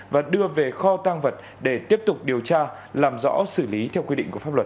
và đưa về kho tăng vật để tiếp tục điều tra làm rõ xử lý theo quy định của pháp luật